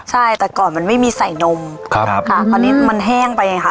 ใช่แต่ก่อนมันไม่มีใส่นมครับค่ะคราวนี้มันแห้งไปไงค่ะ